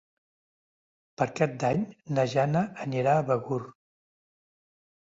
Per Cap d'Any na Jana anirà a Begur.